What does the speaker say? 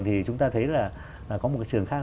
thì chúng ta thấy là có một trường khác